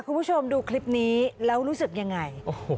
คุณผู้ชมดูคลิปนี้แล้วรู้สึกยังไง